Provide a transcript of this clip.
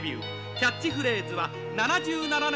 キャッチフレーズは「７７年のヒーロー」。